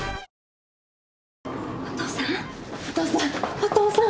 お父さん！